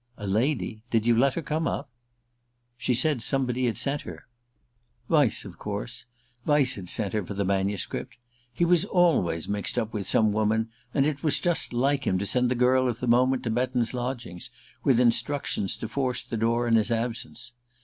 "A lady? Did you let her come up?" "She said somebody'd sent her." Vyse, of course Vyse had sent her for his manuscript! He was always mixed up with some woman, and it was just like him to send the girl of the moment to Betton's lodgings, with instructions to force the door in his absence.